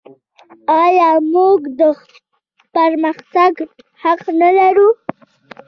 آیا موږ د پرمختګ حق نلرو؟